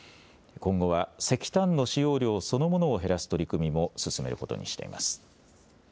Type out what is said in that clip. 今後は石炭の使用量そのものを減らす取り組みも進めることにしています。